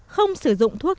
không sử dụng thuốc